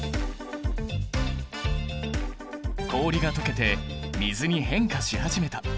氷がとけて水に変化し始めた。